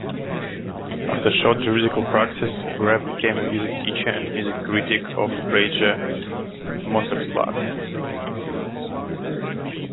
After short juridical praxis, Grab became a music teacher and music-critic of Prager Montagsblatt.